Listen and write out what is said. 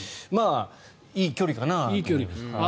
いい距離かなと。